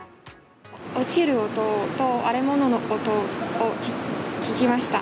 落ちる音と割れ物の音を聞きました。